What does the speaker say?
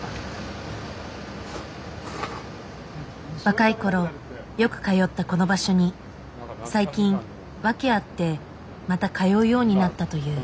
若い頃よく通ったこの場所に最近訳あってまた通うようになったという。